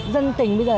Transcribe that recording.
dân tình bây giờ